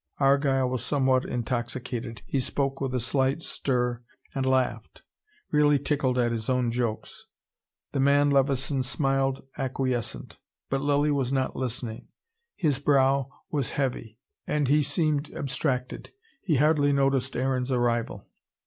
Argyle was somewhat intoxicated. He spoke with a slight slur, and laughed, really tickled at his own jokes. The man Levison smiled acquiescent. But Lilly was not listening. His brow was heavy and he seemed abstracted. He hardly noticed Aaron's arrival.